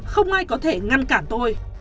không ai có thể ngăn cản tôi